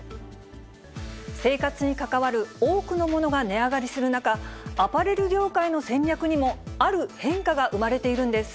生活に関わる多くのものが値上がりする中、アパレル業界の戦略にも、ある変化が生まれているんです。